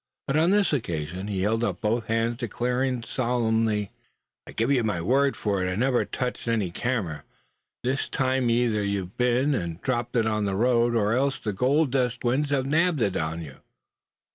But on this occasion he held up both hands, declaring solemnly: "Give you my word for it I never touched any camera. This time you've either been and dropped it on the road; or else the Gold Dust Twins have nabbed it on you."